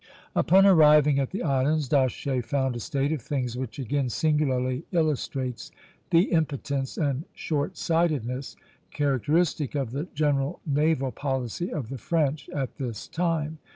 Upon arriving at the islands, D'Aché found a state of things which again singularly illustrates the impotence and short sightedness characteristic of the general naval policy of the French at this time.